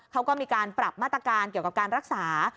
เขาก็มีการปรับมาตรการเกี่ยวกับการรักษา